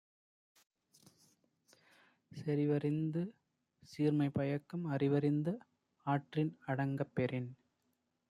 செறிவறிந்து சீர்மை பயக்கும் அறிவறிந்து ஆற்றின் அடங்கப் பெறின்